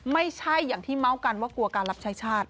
ไม่ใช่อย่างที่เมาส์กันว่ากลัวการรับใช้ชาติ